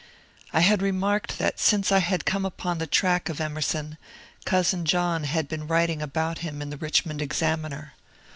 I had remarked that since I had come upon the track of Emerson, cousin John had been writing about him in the ^'Richmond Examiner."